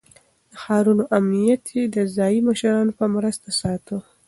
د ښارونو امنيت يې د ځايي مشرانو په مرسته ساته.